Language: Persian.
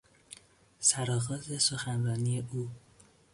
سرآغاز سخنرانی او